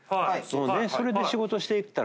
それで仕事していったら。